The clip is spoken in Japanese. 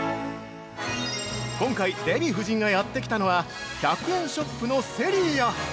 今回、デヴィ夫人がやってきたのは１００円ショップのセリア。